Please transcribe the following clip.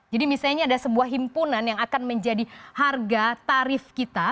jadi misalnya ada sebuah himpunan yang akan menjadi harga tarif kita